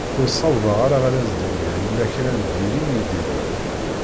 Ur sawḍeɣ ara ad as-iniɣ yella kra n diri iyi-d-iḍerrun.